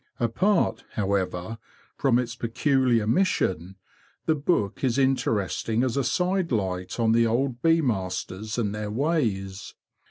Apart, however, from its peculiar mission, the book is interesting as a sidelight on the old bee masters and their ways.